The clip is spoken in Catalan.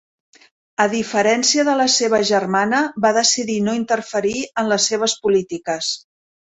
A diferència de la seva germana, va decidir no interferir en les seves polítiques.